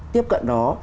tiếp cận đó